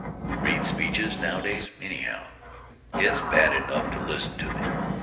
Who reads speeches, nowadays, anyhow? It's bad enough to listen to them.